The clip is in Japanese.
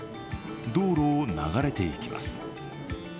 道路を流れていきます。